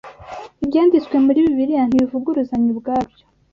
Ibyanditswe muri Bibiliya ntibivuguruzanya ubwabyo